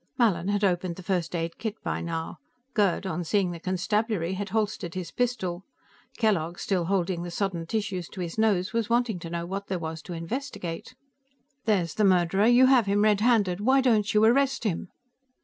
Mallin had opened the first aid kit by now; Gerd, on seeing the constabulary, had holstered his pistol. Kellogg, still holding the sodden tissues to his nose, was wanting to know what there was to investigate. "There's the murderer; you have him red handed. Why don't you arrest him?"